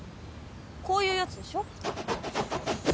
こういうやつでしょ？